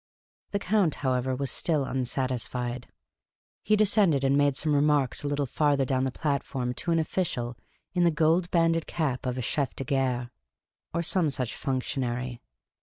The Count, however, was still unsatisfied. He descended, and made some remarks a little farther down the platform to an official in the gold banded cap of a chcf de gare, or some such functionary.